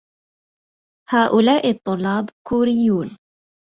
هؤلاء الطلاب كورييون.